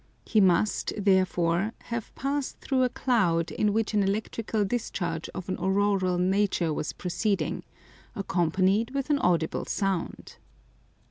He must, therefore, have passed through a cloud in which an electrical discharge of an auroral nature was proceeding, accompanied with an audible sound.